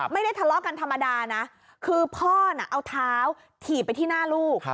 ไม่ได้ทะเลาะกันธรรมดานะคือพ่อน่ะเอาเท้าถีบไปที่หน้าลูก